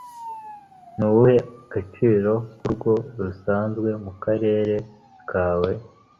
nuwuhe gaciro k'urugo rusanzwe mukarere kawe